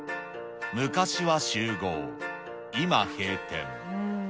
昔は集合今閉店。